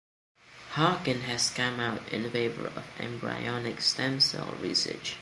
Harkin has come out in favor of embryonic stem cell research.